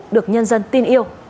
được nhân dân tin yêu